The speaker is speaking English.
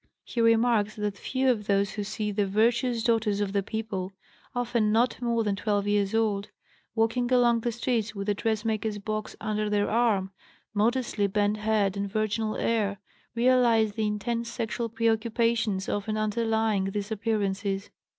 He remarks that few of those who see the "virtuous daughters of the people," often not more than 12 years old, walking along the streets with the dressmaker's box under their arm, modestly bent head and virginal air, realize the intense sexual preoccupations often underlying these appearances.